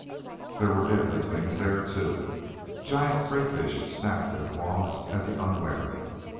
There were deadly things there, too. Giant crayfish snapped their claws at the unwary.